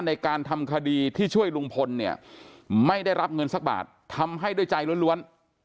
ในการทำคดีที่ช่วยลุงพลเนี่ยไม่ได้รับเงินสักบาททำให้ด้วยใจล้วน